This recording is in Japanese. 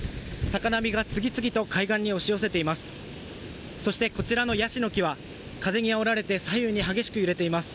高波が次々と海岸に押し寄せています。